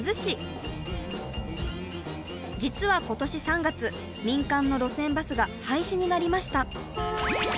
実は今年３月民間の路線バスが廃止になりました。